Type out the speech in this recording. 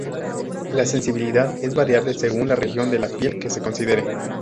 La sensibilidad es variable según la región de la piel que se considere.